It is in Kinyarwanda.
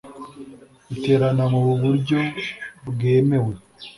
Iterana mu buryo bwemewe